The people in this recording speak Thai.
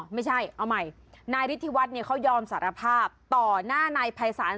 ไม่ใช่เอาใหม่นายฤทธิวัฒน์เขายอมสารภาพต่อหน้านายภัยศาล